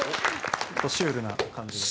結構シュールな感じで。